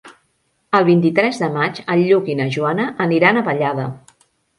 El vint-i-tres de maig en Lluc i na Joana aniran a Vallada.